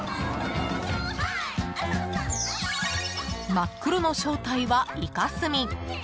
真っ黒の正体はイカスミ。